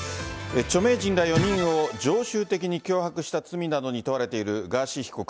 著名人ら４人を常習的に脅迫した罪などに問われているガーシー被告。